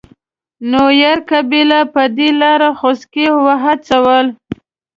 نوير قبیله په دې لار خوسکي وهڅول.